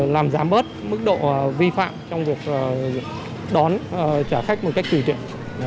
làm giảm bớt mức độ vi phạm trong việc đón trả khách một cách tùy tiện